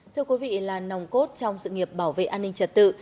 thưa quý vị là nòng cốt trong sự nghiệp bảo vệ an ninh trật tự